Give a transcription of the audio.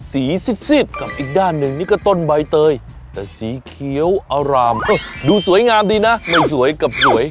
ซีซิดกับอีกด้านหนึ่งนี่ก็ต้นใบเตยแต่สีเขียวอารามดูสวยงามดีนะไม่สวยกับสวย